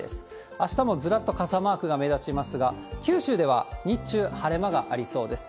あしたもずらっと傘マークが目立ちますが、九州では日中、晴れ間がありそうです。